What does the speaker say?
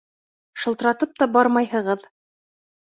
Шылтыратып та бармайһығыҙ.